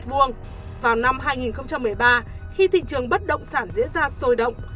vào năm hai nghìn một mươi ba khi thị trường bất động sản diễn ra sôi động